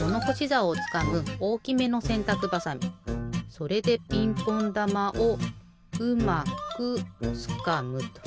それでピンポンだまをうまくつかむと。